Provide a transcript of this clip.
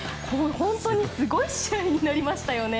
本当にすごい試合になりましたよね。